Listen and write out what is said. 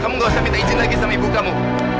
kamu gak usah minta izin lagi sama ibu kamu